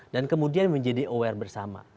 dan kemudian menjadi aware bersama